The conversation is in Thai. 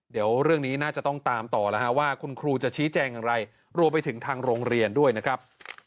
เดี๋ยวเรื่องนี้น่าจะต้องตามต่อแล้วฮะว่าคุณครูจะชี้แจงอย่างไรรวมไปถึงทางโรงเรียนด้วยนะครับ